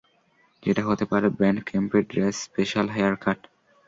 যেটা হতে পারে ব্যান্ড ক্যাম্পের ড্রেস, স্পেশাল হেয়ারকাট।